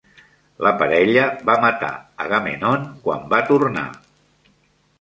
La parella va matar Agamemnon quan va tornar.